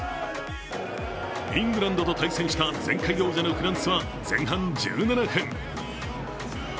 イングランドと対戦した前回王者のフランスは前半１７分。